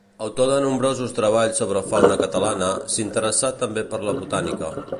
Autor de nombrosos treballs sobre fauna catalana, s'interessà també per la botànica.